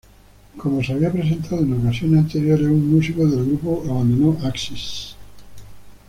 Como se había presentado en ocasiones anteriores, un músico del grupo abandonó Axxis.